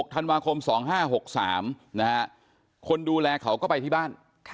ธันวาคม๒๕๖๓คนดูแลเขาก็ไปที่บ้าน